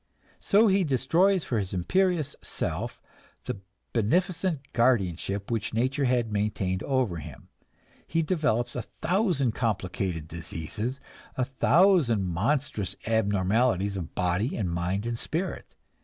So he destroys for his imperious self the beneficent guardianship which nature had maintained over him; he develops a thousand complicated diseases, a thousand monstrous abnormalities of body and mind and spirit.